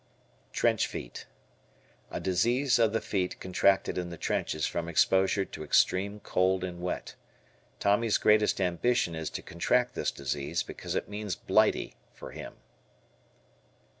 Trench Feet. A disease of the feet contracted in the trenches from exposure to extreme cold and wet. Tommy's greatest ambition is to contract this disease because it means "Blighty" for him.